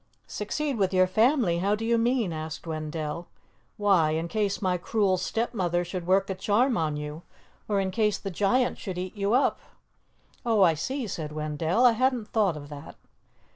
"Succeed with your family how do you mean?" asked Wendell. "Why, in case my cruel stepmother should work a charm on you, or in case the giant should eat you up." "Oh, I see," said Wendell, "I hadn't thought of that."